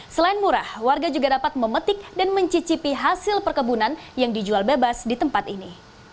selain murah warga juga dapat memetik dan mencicipi hasil perkebunan yang dijual bebas di tempat ini